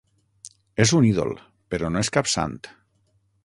És un ídol, però no és cap sant.